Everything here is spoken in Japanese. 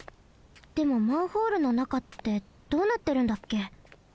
でもマンホールのなかってどうなってるんだっけ？